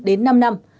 đến năm năm